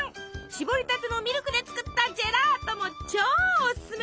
搾りたてのミルクで作ったジェラートも超おすすめ。